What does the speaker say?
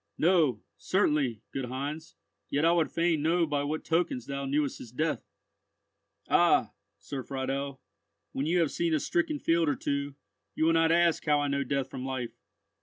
"No, certainly, good Heinz; yet I would fain know by what tokens thou knewest his death." "Ah! Sir Friedel; when you have seen a stricken field or two, you will not ask how I know death from life."